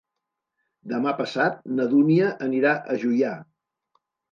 Demà passat na Dúnia anirà a Juià.